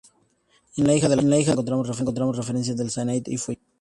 Y en La hija del capitán encontramos referencias del sainete y folletín.